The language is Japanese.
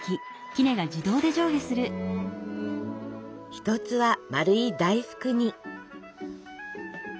一つは丸い大福に。